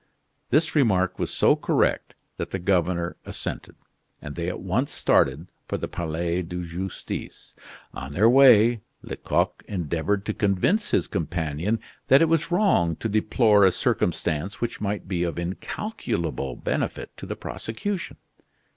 This remark was so correct that the governor assented; and they at once started for the Palais de Justice. On their way, Lecoq endeavored to convince his companion that it was wrong to deplore a circumstance which might be of incalculable benefit to the prosecution.